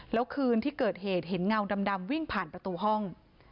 แล้วคืนที่เกิดเหตุเห็นเงาดำวิ่งผ่านประตูห้อง